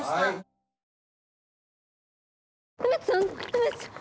梅津さん！？